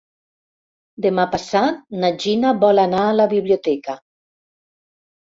Demà passat na Gina vol anar a la biblioteca.